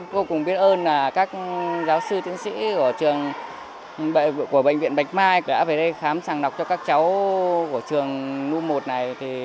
vô cùng biết ơn các giáo sư tiến sĩ của bệnh viện bạch mai đã về đây khám sàng đọc cho các cháu của trường nu một này